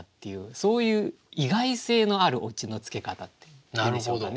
そういう意外性のあるオチのつけ方っていうんでしょうかね。